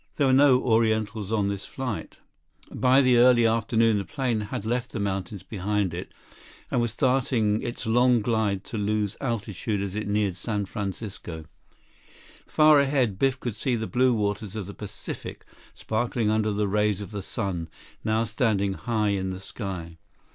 There were no Orientals on this flight. 23 By early afternoon the plane had left the mountains behind it and was starting its long glide to lose altitude as it neared San Francisco. Far ahead, Biff could see the blue waters of the Pacific, sparkling under the rays of the sun, now standing high in the sky.